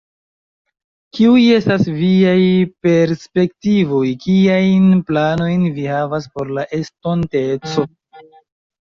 Kiuj estas viaj perspektivoj, kiajn planojn vi havas por la estonteco?